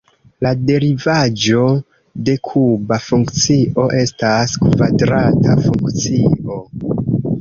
La derivaĵo de kuba funkcio estas kvadrata funkcio.